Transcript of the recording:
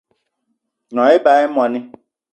Gnong ebag í moní